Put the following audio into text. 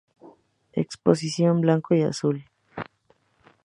Exposición Blanco y azul.